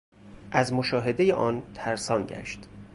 از مشاهدۀ آن ترسان گشت